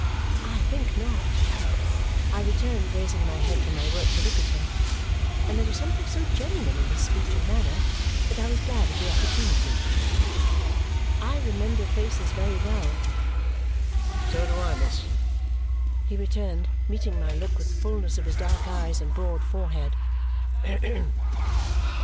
"I think not," I returned, raising my head from my work to look at him; and there was something so genuine in his speech and manner that I was glad of the opportunity. "I remember faces very well." "So do I, miss!" he returned, meeting my look with the fullness of his dark eyes and broad forehead.